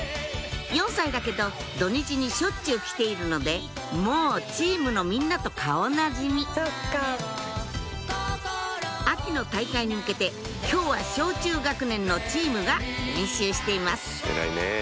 ４歳だけど土日にしょっちゅう来ているのでもうチームのみんなと顔なじみ秋の大会に向けて今日は小中学年のチームが練習しています